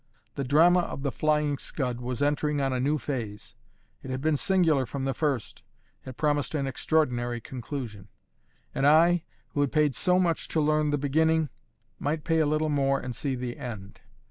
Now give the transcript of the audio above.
The drama of the Flying Scud was entering on a new phase. It had been singular from the first: it promised an extraordinary conclusion; and I, who had paid so much to learn the beginning, might pay a little more and see the end.